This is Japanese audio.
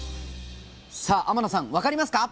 さあ天野さん分かりますか？